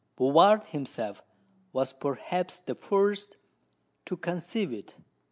Bouvard himself was perhaps the first to conceive it.